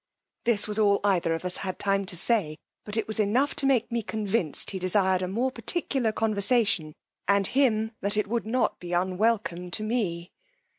This was all either of us had time to say; but it was enough to make me convinced he desired a more particular conversation, and him, that it would not be unwelcome to me.